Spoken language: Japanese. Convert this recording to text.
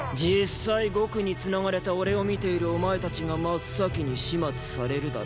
実際獄につながれた俺を見ているお前たちが真っ先に始末されるだろう。